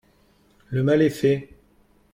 Le mal est fait